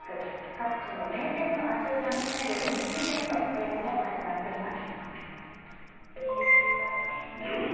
各地の名店の味を楽しめる人気イベント、早くも始まっています。